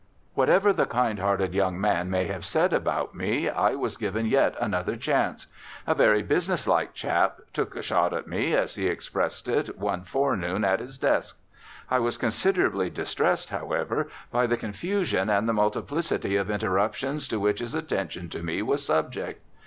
Whatever the kind hearted young man may have said about me I was given yet another chance. A very business like chap "took a shot at me," as he expressed it, one forenoon at his desk, I was considerably distressed, however, by the confusion and the multiplicity of interruptions to which his attention to me was subject.